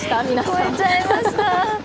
聞こえちゃいました。